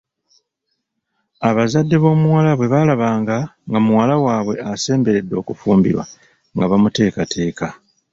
Abazadde b'omuwala bwe baalabanga nga muwala waabwe asemberedde okufumbirwa nga bamuteekateeka.